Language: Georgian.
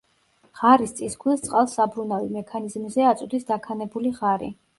ღარის წისქვილს წყალს საბრუნავი მექანიზმზე აწვდის დაქანებული ღარი.